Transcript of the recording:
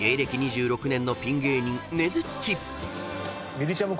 みりちゃむ